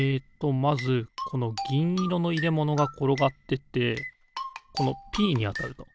まずこのぎんいろのいれものがころがってってこの「Ｐ」にあたると。